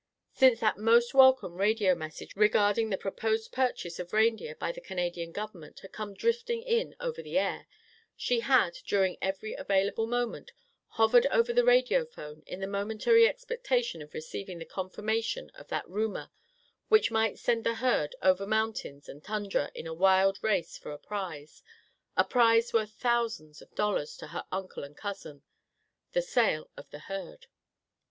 Since that most welcome radio message regarding the proposed purchase of reindeer by the Canadian Government had come drifting in over the air, she had, during every available moment, hovered over the radio phone in the momentary expectation of receiving the confirmation of that rumor which might send the herd over mountains and tundra in a wild race for a prize, a prize worth thousands of dollars to her uncle and cousin—the sale of the herd.